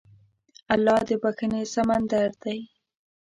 الله د بښنې سمندر دی.